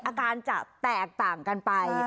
อาการจะแตกต่างกันไป